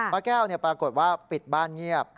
ป้าแก้วปรากฏว่าปิดบ้านเงียบ